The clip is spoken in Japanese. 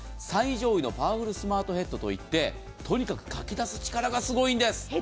最上位のパワフルスマートヘッドといってとにかくかき出す力がすごいんです。